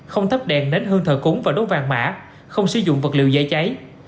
không thấp đèn nến hương thờ cúng và đốt vàng mã không sử dụng vật liệu giải cháy